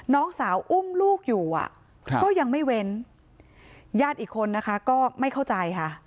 น้องสาวอุ้มลูกอยู่อ่ะก็ยังไม่เว้นญาติอีกคนนะคะก็ไม่เข้าใจค่ะ